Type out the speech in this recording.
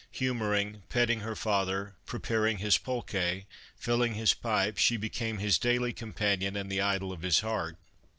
Humoring, petting her father, preparing his pulque, filling his pipe, she became his daily com panion and the idol of his heart.